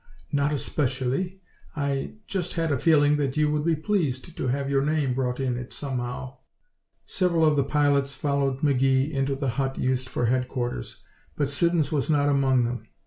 "Not especially; I just had a feeling that you would be pleased to have your name brought in it somehow." Several of the pilots followed McGee into the hut used for headquarters, but Siddons was not among them.